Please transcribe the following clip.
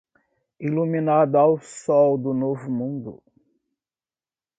Iluminado ao sol do Novo Mundo